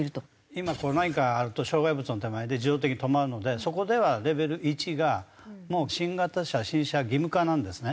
今何かあると障害物の手前で自動的に止まるのでそこではレベル１がもう新型車新車義務化なんですね。